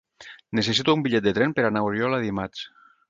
Necessito un bitllet de tren per anar a Oriola dimarts.